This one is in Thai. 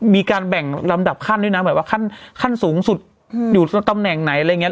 มีการแบ่งลำดับขั้นด้วยนะแบบว่าขั้นสูงสุดอยู่ตำแหน่งไหนอะไรอย่างนี้